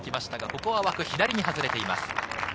ここは枠左に外れています。